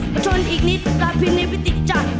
มาชนอีกนิดกลับพินในพิติจ่าย